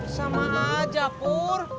sama aja pur